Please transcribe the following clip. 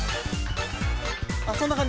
あっそんな感じ？